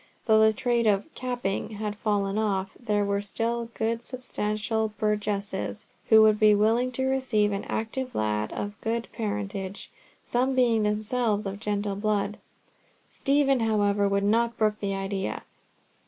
Though the trade of "capping" had fallen off, there were still good substantial burgesses who would be willing to receive an active lad of good parentage, some being themselves of gentle blood. Stephen, however, would not brook the idea.